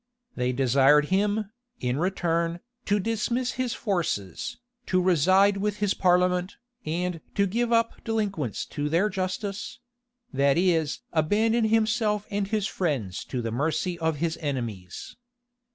They desired him, in return, to dismiss his forces, to reside with his parliament, and to give up delinquents to their justice; that is abandon himself and his friends to the mercy of his enemies.